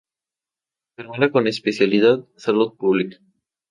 Enfermera con Especialidad Salud Pública.